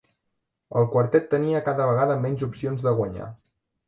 El quartet tenia cada vegada menys opcions de guanyar.